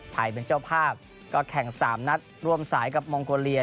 เป็นเจ้าภาพก็แข่ง๓นัดร่วมสายกับมองโกเลีย